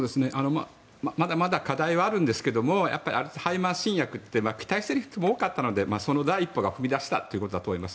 まだまだ課題はあるんですけどアルツハイマー新薬って期待している人も多かったのでその第一歩が踏み出せたということだと思います。